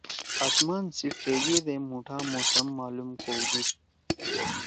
آسمان سی ڇیگے دے مُوٹھا موسم معلوم کؤدُود۔